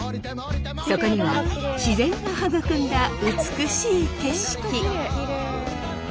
そこには自然が育んだ美しい景色。